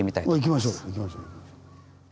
行きましょう行きましょう。